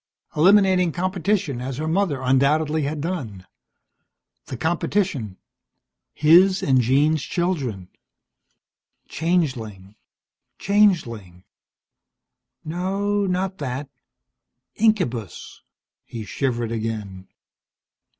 Eliminating competition as her mother undoubtedly had done. The competition his and Jean's children! Changeling, changeling No, not that. Incubus! He shivered again.